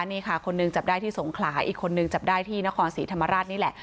นี่ค่ะคนหนึ่งจับได้ที่สงขลาอีกคนนึงจับได้ที่นครศรีธรรมราชนี่แหละ